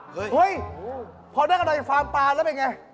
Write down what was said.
เฮ่ยพอนั่งในฟาร์มปลาแล้วเป็นอย่างไร